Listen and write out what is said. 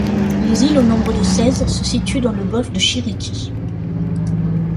Les îles, au nombre de seize, se situent dans le golfe de Chiriquí.